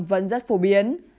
vẫn rất phổ biến